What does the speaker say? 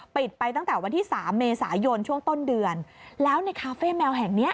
ไปตั้งแต่วันที่สามเมษายนช่วงต้นเดือนแล้วในคาเฟ่แมวแห่งเนี้ย